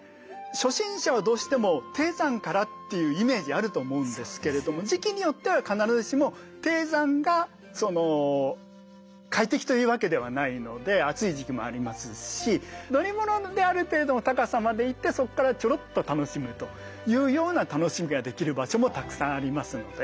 初心者はどうしても低山からというイメージあると思うんですけれども時期によっては必ずしも低山が快適というわけではないので暑い時期もありますし乗り物である程度の高さまで行ってそこからちょろっと楽しむというような楽しみができる場所もたくさんありますので。